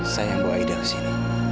saya yang bawa aida ke sini